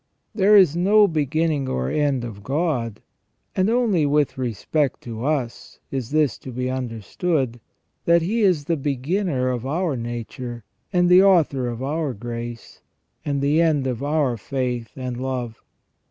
There is no beginning or end of God, and only with respect to us is this to be understood, that He is the beginner of our nature, and the author of our grace, and the end of our faith and love.